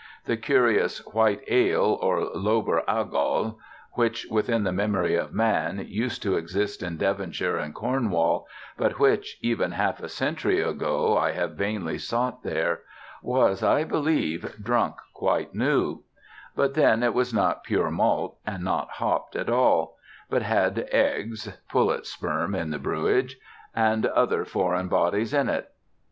The curious "white ale," or lober agol which, within the memory of man, used to exist in Devonshire and Cornwall, but which, even half a century ago, I have vainly sought there was, I believe, drunk quite new; but then it was not pure malt and not hopped at all, but had eggs ("pullet sperm in the brewage") and other foreign bodies in it.